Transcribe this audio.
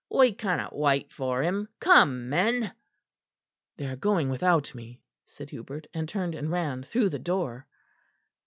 "We cannot wait for him. Come, men." "They are going without me," said Hubert; and turned and ran through the door.